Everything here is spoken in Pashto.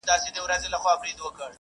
موږ بايد د خپلو خلګو ملاتړ وکړو.